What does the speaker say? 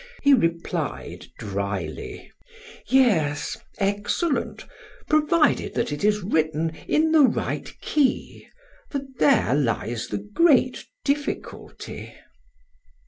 He replied dryly: "Yes, excellent, provided that it is written in the right key, for there lies the great difficulty."